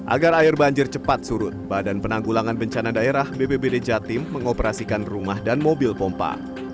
agar air banjir cepat surut badan penanggulangan bencana daerah bpbd jatim mengoperasikan rumah dan mobil pompa